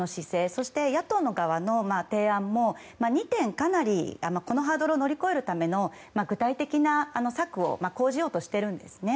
そして野党の側の提案も２点、かなりこのハードルを乗り越えるための具体的な策を講じようとしているんですね。